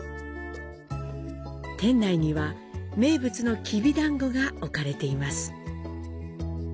店内には名物のきびだんごが置かれています。